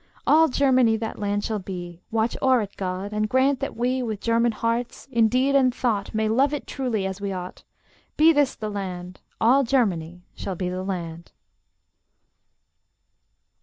All Germany that land shall be: Watch o'er it, God, and grant that we, With German hearts, in deed and thought, May love it truly as we ought. Be this the land, All Germany shall be the land!